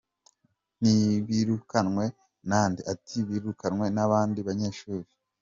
Nti ‘birukanwe nande?’ ati ‘birukanwe n’abandi banyeshuri.